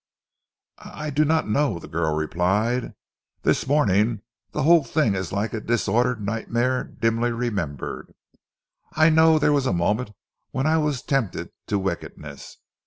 "I do not know," the girl replied. "This morning the whole thing is like a disordered nightmare dimly remembered. I know there was a moment when I was tempted to wickedness.